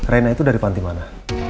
rena itu dari panti mana